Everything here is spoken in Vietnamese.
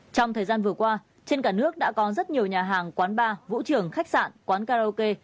trong thời gian vừa qua trên cả nước đã có rất nhiều nhà hàng quán bar vũ trường khách sạn quán karaoke